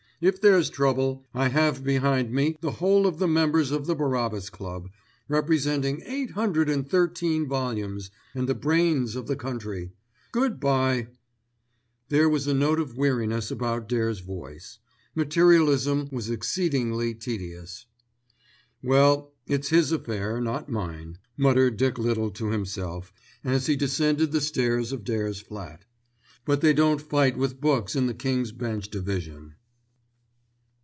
"If there's trouble, I have behind me the whole of the members of the Barabbas Club, representing eight hundred and thirteen volumes, and the brains of the country. Good bye." There was a note of weariness about Dare's voice. Materialism was exceedingly tedious. "Well, it's his affair, not mine," muttered Dick Little to himself as he descended the stairs of Dare's flat; "but they don't fight with books in the King's Bench Division."